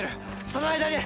その間に！